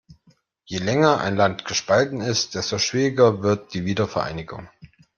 Je länger ein Land gespalten ist, desto schwieriger wird die Wiedervereinigung.